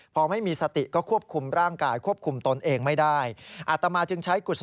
พอไม่มีสติก็ควบคุมร่างกายไม่ได้ควบคุมตนเอง